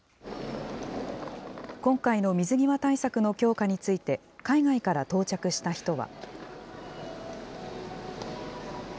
今回の水際対策の強化について、海外から到着した人は。